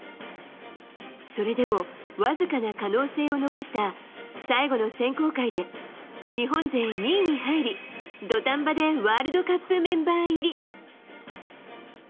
それでもわずかな可能性を残した最後の選考会で日本勢２位に入り土壇場でワールドカップメンバー入り。